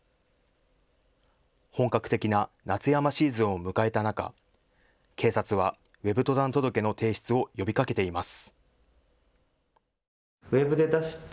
本格的な夏山シーズンを迎えた中、警察はＷＥＢ登山届の提出を呼びかけています。